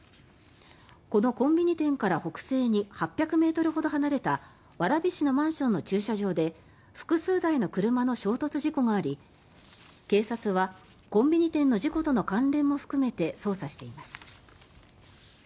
このコンビニ店から北西に８００ｍほど離れた蕨市のマンションの駐車場で複数台の車の衝突事故があり警察はコンビニ店の事故との関連も含めて捜査しています。